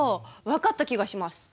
分かった気がします。